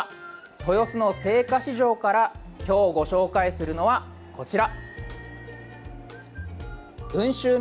豊洲の青果市場から今日、ご紹介するのはこちら。